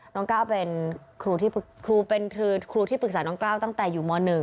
น้องเก้าเป็นครูที่ปรึกษาน้องเก้าตั้งแต่อยู่ม๑